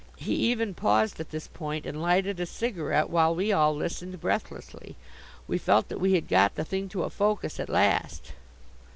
He even paused at this point and lighted a cigarette, while we all listened breathlessly. We felt that we had got the thing to a focus at last.